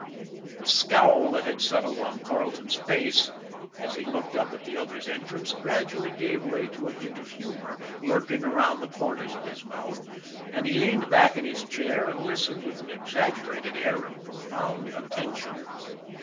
The scowl that had settled on Carleton's face, as he looked up at the other's entrance, gradually gave way to a hint of humor lurking around the corners of his mouth, and he leaned back in his chair and listened with an exaggerated air of profound attention.